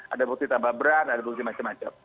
ada bukti tambah berat ada bukti macam macam